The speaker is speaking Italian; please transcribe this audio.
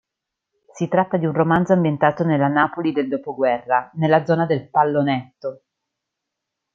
Si tratta di un romanzo ambientato nella Napoli del dopoguerra, nella zona del Pallonetto.